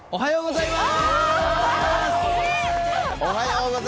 おはようございます。